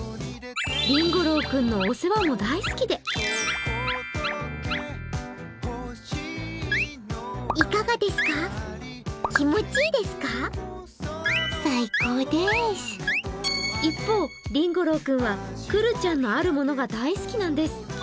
りんご郎君のお世話も大好きで一方、りんご郎君はくるちゃんのあるものが大好きなんです